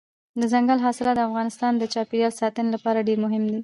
دځنګل حاصلات د افغانستان د چاپیریال ساتنې لپاره ډېر مهم دي.